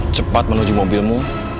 cepat menuju mobilmu